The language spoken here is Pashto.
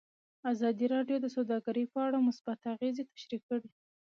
ازادي راډیو د سوداګري په اړه مثبت اغېزې تشریح کړي.